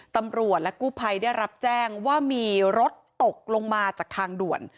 ตำรวจและกู้ภัยได้รับแจ้งว่ามีรถตกลงมาจากทางด่วน